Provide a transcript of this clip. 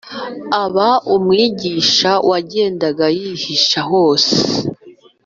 aba umwigisha wagendaga yigisha hose